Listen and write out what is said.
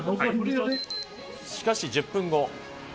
しかし、１０分後。